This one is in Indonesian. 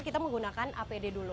kita menggunakan apd dulu